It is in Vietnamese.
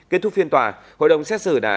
kết thúc phiên tòa hội đồng xét xử đã